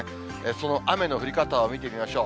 その雨の降り方を見てみましょう。